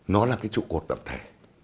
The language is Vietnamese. nó là cái trụ cột tập thể